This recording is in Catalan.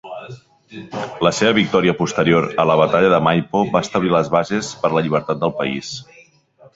La seva victòria posterior a la batalla de Maipo va establir les bases per a la llibertat del país.